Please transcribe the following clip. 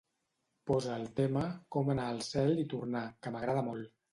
Posa el tema "Com anar al cel i tornar", que m'agrada molt.